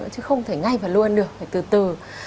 chứ không thể ngay và luôn được phải từ từ